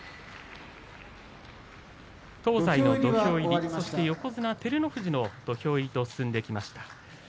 東西の土俵入り横綱照ノ富士の土俵入りと進んできました。